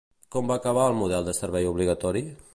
Com va acabar el model de servei obligatori?